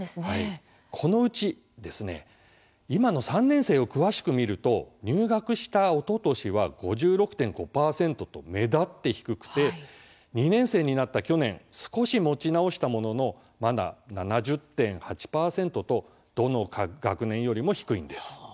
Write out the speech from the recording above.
このうちですね今の３年生を詳しく見ると入学した、おととしは５６．５％と目立って低くて２年生になった去年少し持ち直したもののまだ７０．８％とどの学年よりも低いんです。